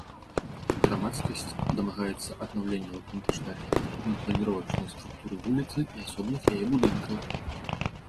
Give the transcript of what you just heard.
Грамадскасць дамагаецца аднаўлення аўтэнтычнай архітэктурна-планіровачнай структуры вуліцы і асобных яе будынкаў.